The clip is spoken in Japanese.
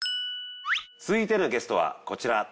続いてのゲストはこちら。